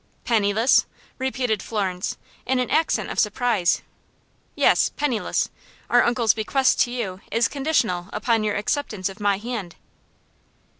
"Penniless?" repeated Florence, in an accent of surprise. "Yes, penniless. Our uncle's bequest to you is conditional upon your acceptance of my hand."